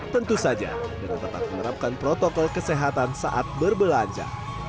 tentu saja dengan tetap menerapkan protokol kesehatan saat berbelanja